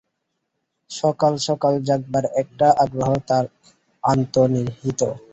সকাল সকাল জাগবার একটা আগ্রহ তার অন্তর্নিহিত।